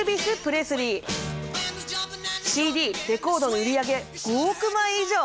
そうＣＤレコードの売り上げ５億枚以上！